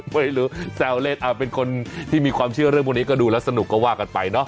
ไม่รู้แซวเล่นเป็นคนที่มีความเชื่อเรื่องพวกนี้ก็ดูแล้วสนุกก็ว่ากันไปเนาะ